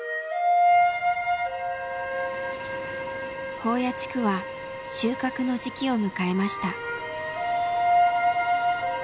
宝谷地区は収穫の時期を迎えました。